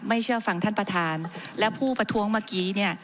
เชื่อฟังท่านประธานและผู้ประท้วงเมื่อกี้เนี่ย